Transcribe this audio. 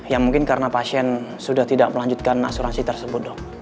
ya mungkin karena pasien sudah tidak melanjutkan asuransi tersebut dong